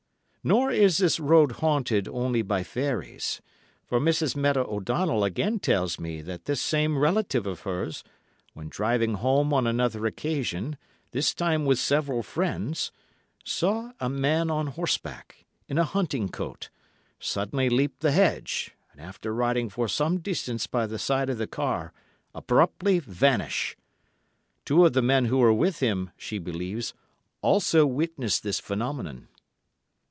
Nor is this road haunted only by fairies, for Mrs. Meta O'Donnell again tells me that this same relative of hers, when driving home on another occasion—this time with several friends—saw a man on horseback, in a hunting coat, suddenly leap the hedge, and, after riding for some distance by the side of the car, abruptly vanish. Two of the men who were with him, she believes, also witnessed this phenomenon.